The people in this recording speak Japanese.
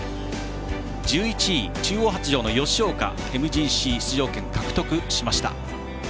１１位、中央発條の吉岡ＭＧＣ出場権獲得しました。